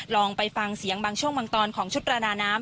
ลองไปฟังเสียงบางช่วงบางตอนของชุดประดาน้ำ